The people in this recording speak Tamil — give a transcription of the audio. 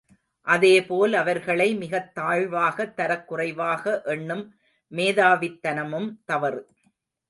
அதே போல் அவர்களை மிகத் தாழ்வாக தரக்குறைவாக எண்ணும் மேதாவித்தனமும் தவறு.